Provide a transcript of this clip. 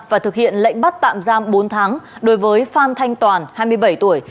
và thực hiện lệnh bắt tạm giam bốn tháng đối với phan thanh toàn hai mươi bảy tuổi